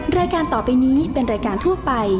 แม่บ้านประจันบรรย์